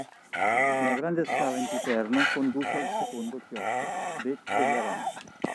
Una grande scala in piperno conduce al secondo chiostro, detto degli Aranci".